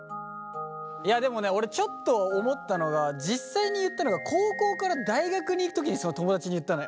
いやでもね俺ちょっと思ったのが実際に言ったのが高校から大学に行く時にその友達に言ったのよ。